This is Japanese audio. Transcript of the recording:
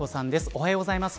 おはようございます。